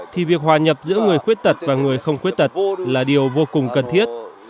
thì việc hòa nhập giữa người khuyết tật và người không khuyết tật là điều vô cùng cần thiết